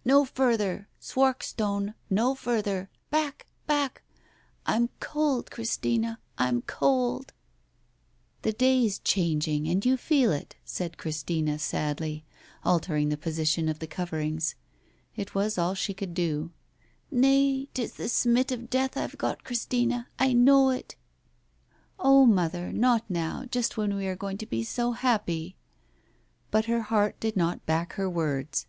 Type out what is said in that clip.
... No further. ... Swarkstone. No further. Back ! Back ! I'm cold, Christina. I'm cold. ..." "The day's changing and you feel it," said Christina sadly, altering the position of the coverings. It was all she could do. "Nay, 'tis the smit of death I've got, Christina! I know it." "Oh, mother, not now, just when we are going to be so happy." But her heart did not back her words.